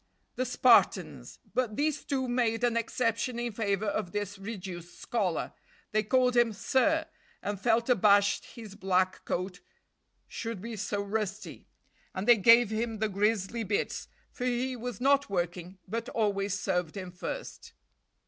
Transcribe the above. The Spartans! but these two made an exception in favor of this reduced scholar. They called him "Sir," and felt abashed his black coat should be so rusty; and they gave him the gristly bits, for he was not working, but always served him first.